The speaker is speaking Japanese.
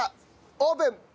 オープン！